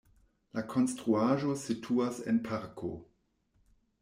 La konstruaĵo situas en parko.